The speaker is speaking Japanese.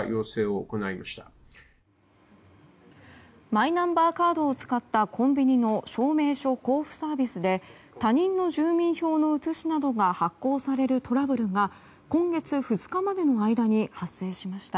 マイナンバーカードを使ったコンビニの証明書交付サービスで他人の住民票の写しなどが発行されるトラブルが今月２日までの間に発生しました。